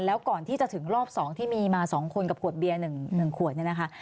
แล้วก่อนที่จะถึงรอบ๒ที่มีมา๒คนกับขวดเบียร์๑ขวดเนี่ยนะคะ